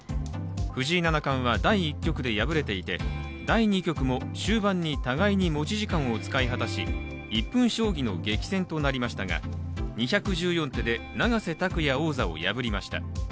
藤井七冠は第１局で敗れていて第２局も終盤に互いに持ち時間を使い果たし１分将棋の激戦となりましたが２１４手で永瀬拓矢王座を破りました。